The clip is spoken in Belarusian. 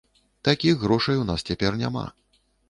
Такіх грошай у нас цяпер няма.